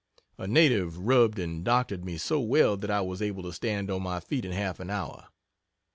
A native rubbed and doctored me so well that I was able to stand on my feet in half an hour.